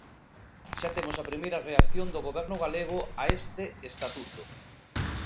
Xa temos a primeira reacción do Goberno galego a este estatuto.